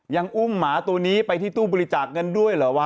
ยังอุ้มหมาตัวนี้ไปที่ตู้บริจาคเงินด้วยเหรอวะ